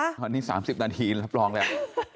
ตอนนี้๓๐นาทีรับรองแล้ว